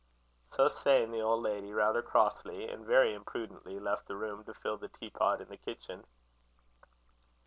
So saying, the old lady, rather crossly, and very imprudently, left the room to fill the teapot in the kitchen.